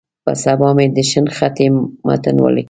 په سبا مې د شنختې متن ولیک.